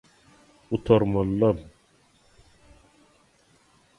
Gutarmalydam.